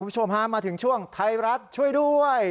คุณผู้ชมฮะมาถึงช่วงไทยรัฐช่วยด้วย